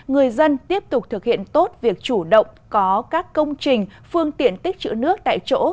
người dân tiếp tục thực hiện tốt việc chủ động có các công trình phương tiện tích trữ nước tại chỗ